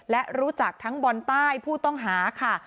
และรู้จักทั้งบอลใต้ผู้ต้องหาค่ะ